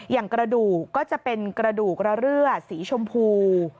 อย่างกระดูกก็จะเป็นกระดูกระเรื่อสีชมพู